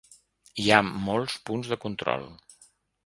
Hi ha molts punts de control.